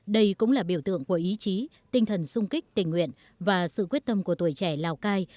đây cũng là biểu tượng của ý chí tinh thần sung kích tình nguyện và sự quyết tâm của tuổi trẻ lào cai